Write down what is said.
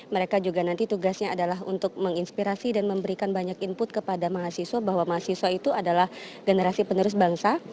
mereka juga nanti tugasnya adalah untuk menginspirasi dan memberikan banyak input kepada mahasiswa bahwa mahasiswa itu adalah generasi penerus bangsa